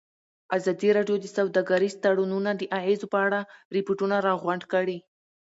ازادي راډیو د سوداګریز تړونونه د اغېزو په اړه ریپوټونه راغونډ کړي.